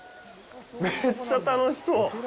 めっちゃ楽しそう。